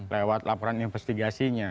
lewat laporan investigasinya